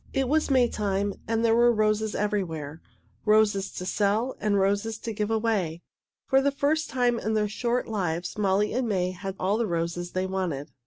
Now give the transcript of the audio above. It was Maytime, and there were roses everywhere roses to sell and roses to give away. For the first time in their short lives Molly and May had all the roses they wanted.